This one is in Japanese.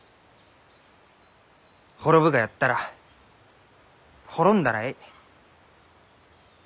滅ぶがやったら滅んだらえい。